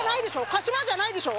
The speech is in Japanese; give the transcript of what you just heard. かしわじゃないでしょ？